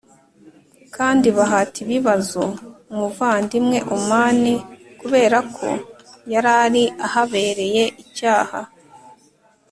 kandi bahata ibibazo umuvandimwe Oman kuberako yarari ahabereye icyaha